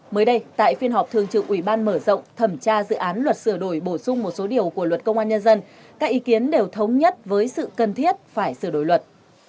mới đây tại phiên họp thường trực ủy ban mở rộng thẩm tra dự án luật sửa đổi bổ sung một số điều của luật công an nhân dân các ý kiến đều thống nhất với sự cần thiết phải sửa đổi luật